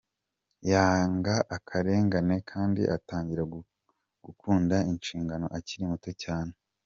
Yanga akarengane kandi atangira gukunda inshingano akiri muto cyane.